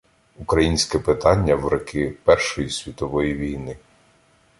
Українське питання в роки Першої світової війни.